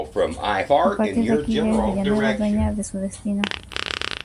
A partir de aquí ya es Villanueva dueña de su destino.